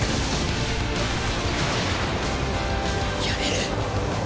やれる！